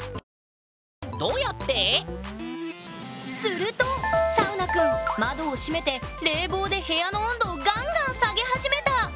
するとサウナくん窓を閉めて冷房で部屋の温度をガンガン下げ始めた！